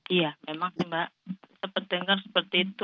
iya memang sempat dengar seperti itu